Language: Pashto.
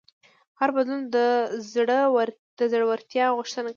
هر بدلون د زړهورتیا غوښتنه کوي.